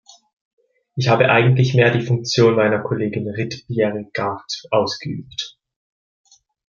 Ich habe eigentlich mehr die Funktion meiner Kollegin Ritt Bjerregard ausgeübt.